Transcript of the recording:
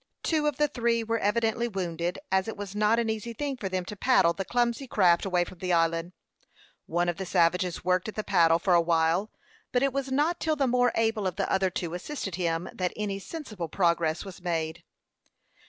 Two of the three were evidently wounded, and it was not an easy thing for them to paddle the clumsy craft away from the island. One of the savages worked at the paddle for a while; but it was not till the more able of the other two assisted him that any sensible progress was made.